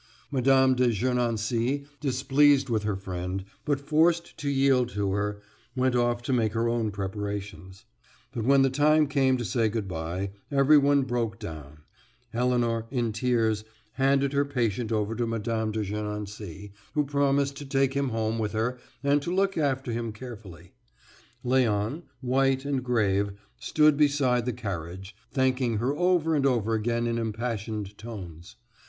Mme. de Gernancé, displeased with her friend, but forced to yield to her, went off to make her own preparations. But when the time came to say good bye, every one broke down; Elinor, in tears, handed her patient over to Mme. de Gernancé, who promised to take him home with her and to look after him carefully; Léon, white and grave, stood beside the carriage, thanking her over and over again in impassioned tones.